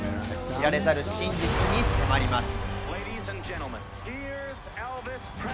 知られざる真実に迫ります。